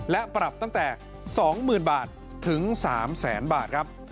และปรับตั้งแต่๒๐๐๐บาทถึง๓แสนบาทครับ